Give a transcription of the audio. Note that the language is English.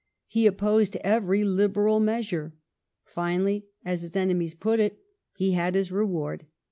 He opposed every Liberal measure. Finally, as his enemies put it, he had his reward.